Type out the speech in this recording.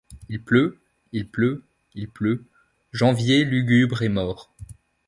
Il pleut, il pleut, il pleut ; janvier lugubre et mort